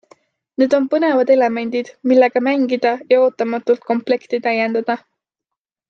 Need on põnevad elemendid, millega mängida ja ootamatult komplekti täiendada.